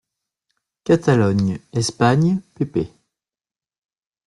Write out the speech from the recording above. Catalogne, Espagne, pp.